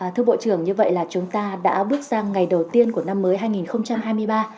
thưa bộ trưởng như vậy là chúng ta đã bước sang ngày đầu tiên của năm mới hai nghìn hai mươi ba